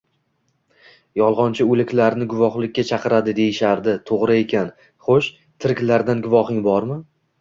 Yolgʻonchi oʻliklarni guvohlikka chaqiradi, deyishardi, toʻgʻri ekan. Xoʻsh, tiriklardan guvohing bormi?